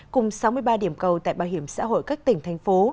cùng sáu mươi ba điểm cầu tại bảo hiểm xã hội các tỉnh thành phố